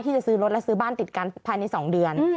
จะซื้อรถและซื้อบ้านติดกันภายใน๒เดือน